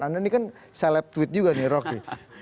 anda ini kan seleb tweet juga nih rocky